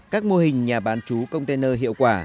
các mô hình nhà bán chú container hiệu quả